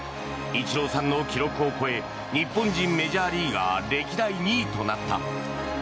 イチローさんの記録を超え日本人メジャーリーガー歴代２位となった。